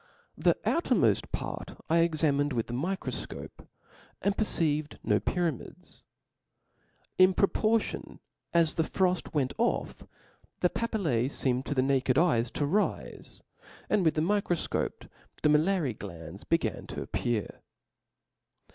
The out crmoft part I examined with the microfcope^ and perceived no pyramids. In proportion as the froft O F L A W S. 329 froft went off, the papillae feemcd to the naked eye ^^^^^ to rife, and with the microfcope the miliary glapda Chap/s. began to appear.